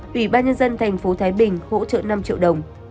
ủy ban nhân dân tp thái bình hỗ trợ năm triệu đồng